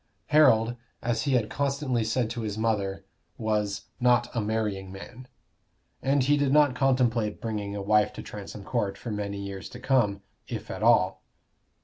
Harold, as he had constantly said to his mother, was "not a marrying man"; he did not contemplate bringing a wife to Transome Court for many years to come, if at all.